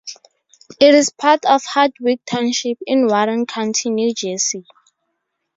It is part of Hardwick Township, in Warren County, New Jersey.